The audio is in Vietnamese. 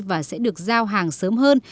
và sẽ được giao hàng sớm hơn